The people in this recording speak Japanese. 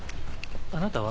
あなたは？